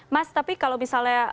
mas tapi kalau misalnya